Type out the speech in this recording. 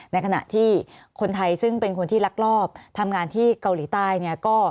ในขณะที่คนไทยซึ่งเป็นคนที่ลักลอบทำงานที่เกาหลีใต้เนี่ย